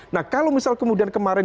nah kalau misal kemudian kemarin